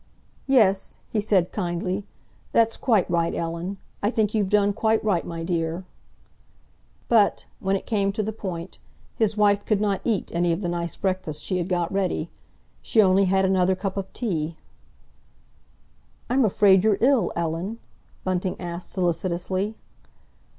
"Yes," he said kindly; "that's quite right, Ellen. I think you've done quite right, my dear." But, when it came to the point, his wife could not eat any of the nice breakfast she had got ready; she only had another cup of tea. "I'm afraid you're ill, Ellen?" Bunting asked solicitously.